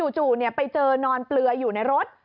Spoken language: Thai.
จู่ไปเจอนอนเปลืออยู่ในรถ